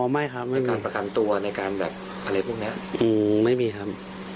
อ๋อไม่ครับไม่มีในการประกันตัวในการแบบอะไรพวกเนี้ยอืมไม่มีครับ